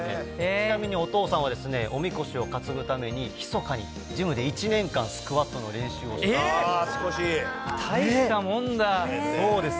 ちなみにお父さんはおみこしを担ぐために、密かにジムで１年間、スクワットの練習をしていたそうです。